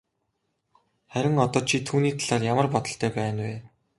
Харин одоо чи түүний талаар ямар бодолтой байна вэ?